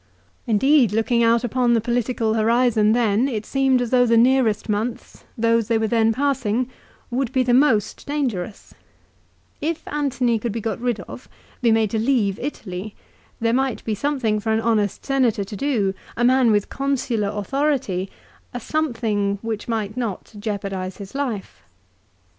Indeed, looking 1 Ad Att. xvi. 7. Q 2 228 LIFE OF CICERO. out upon the political horizon then, it seemed as though the nearest months, those they were then passing, would be the most dangerous. If Antony could be got rid of, be made to leave Italy, there might be something for an honest Senator to do, a man with Consular authority, a something which might not jeopardise his life.